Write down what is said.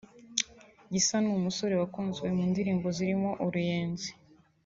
Gisa ni umusore wakunzwe mu ndirimbo zirimo Uruyenzi